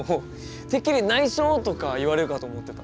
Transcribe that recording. てっきり「ないしょ」とか言われるかと思ってた。